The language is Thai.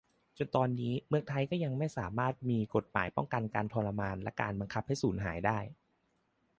จนตอนนี้ เมืองไทยก็ยังไม่สามารถมีกฎหมายป้องกันการทรมานและการบังคับให้สูญหายได้